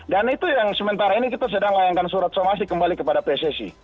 dan itu yang sementara ini kita sedang layankan surat somasi kembali kepada pssi